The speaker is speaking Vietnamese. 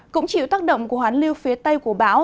cũng chịu tác động của hoán lưu phía tây của báo